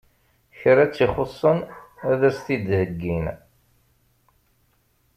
Kra tt-ixuṣṣen ad as-t-id-heggin.